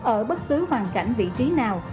ở bất cứ hoàn cảnh vị trí nào